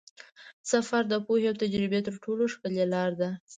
سفر د پوهې او تجربې تر ټولو ښکلې لاره ده.